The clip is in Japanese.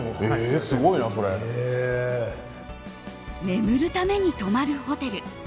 眠るために泊まるホテル。